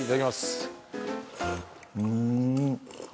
うん。